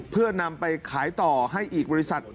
เพื่อนำไปขายต่อให้อีกบริษัท